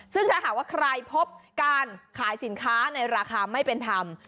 ซึ่งถ้าหากว่าใครพบการขายสินค้าในราคาไม่เป็นธรรม